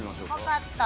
わかった。